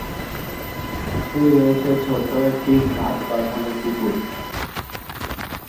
কাছেই রয়েছে ছোট একটি ঘাট বাঁধানো পুকুর।